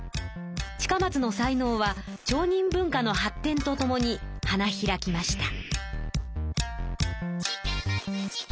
近松の才能は町人文化の発展とともに花開きました。